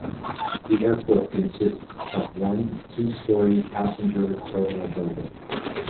The airport consists of one two-storey passenger terminal building.